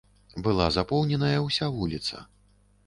Была запоўненая ўся вуліца.